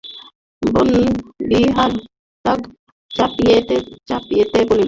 বনবিহার রাগ চাপিতে চাপিতে বলিল, এতকাল পরে এসব বলছ যে জয়া?